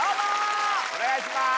お願いします！